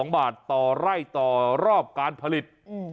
๑๙๖๑๒๒บาทต่อไล่ต่อรอบการผลิต